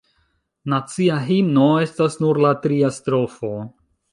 Nacia himno estas nur la tria strofo.